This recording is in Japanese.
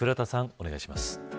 お願いします。